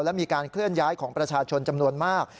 และมีการเคลื่อนย้ายของประชาชนจำนวนมาก